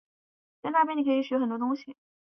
在那边你可以学很多东西